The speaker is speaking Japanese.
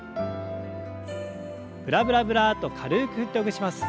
ブラブラブラッと軽く振ってほぐします。